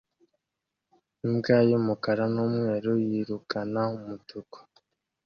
Imbwa y'umukara n'umweru yirukana umutuku